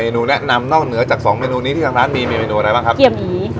หนูแนะนำนอกเหนือจากสองเมนูนี้ที่ทางร้านมีเมนูอะไรบ้างครับ